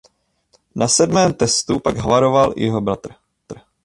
Na sedmém testu pak havaroval i jeho bratr.